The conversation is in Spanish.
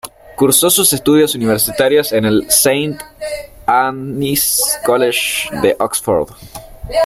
Cursó sus estudios universitarios en el St Anne's College de Oxford.